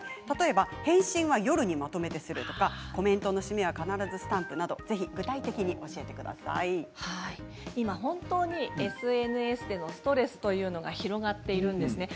例えば、返信は夜にまとめてするとかコメントの締めは必ずスタンプなど今、本当にＳＮＳでのストレスというのが広がっているんです。